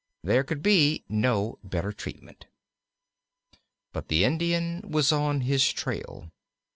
There could be no better treatment. But the Indian was on his trail.